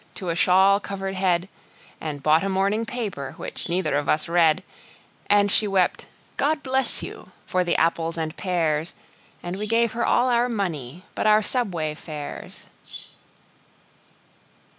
to a shawl covered head, And bought a morning paper, which neither of us read; And she wept, "God bless you!" for the apples and pears, And we gave her all our money but our subway fares.